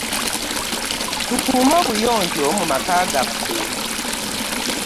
Tukuume obuyonjo mu maka gaffe.